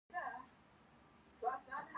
د غوړینو میوو لکه بادام او زیتون پالنه کیدله.